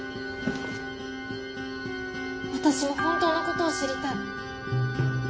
私も本当のことを知りたい。